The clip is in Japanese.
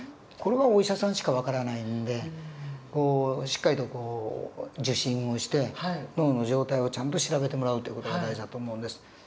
これはお医者さんしか分からないんでしっかりと受診をして脳の状態をちゃんと調べてもらうという事が大事だと思うんです。